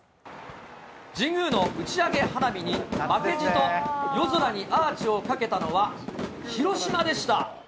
神宮の打ち上げ花火に負けじと夜空にアーチをかけたのは広島でした。